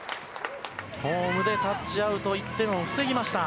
ホームでタッチアウト、１点を防ぎました。